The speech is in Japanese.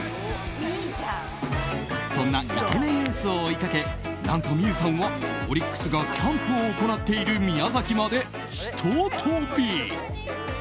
そんなイケメンエースを追いかけ何と望結さんはオリックスがキャンプを行っている宮崎までひと飛び。